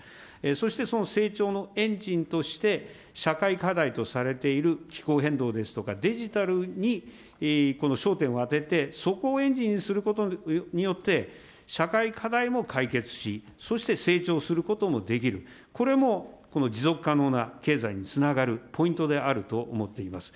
そしてその成長のエンジンとして、社会課題とされている気候変動ですとか、デジタルに焦点を当てて、そこをエンジンにすることによって、社会課題も解決し、そして成長することもできる、これもこの持続可能な経済につながるポイントであると思っています。